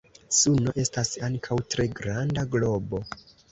Suno estas ankaŭ tre granda globo.